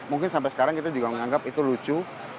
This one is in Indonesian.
mungkin sampai sekarang kita juga menganggap itu lucu